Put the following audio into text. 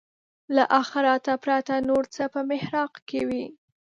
له آخرته پرته نور څه په محراق کې وي.